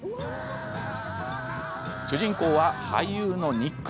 主人公は俳優のニック。